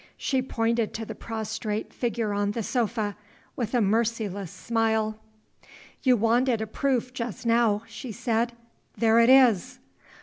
She pointed to the prostrate figure on the sofa, with a merciless smile. "You wanted a proof just now," she said. "There it is!"